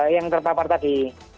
yang tertapar tadi